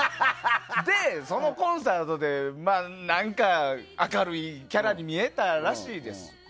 で、そのコンサートで、なんか明るいキャラに見えたらしいです。